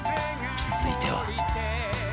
続いては